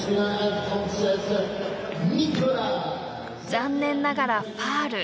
残念ながらファール。